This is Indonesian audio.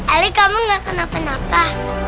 ali kamu gak kenapa kenapa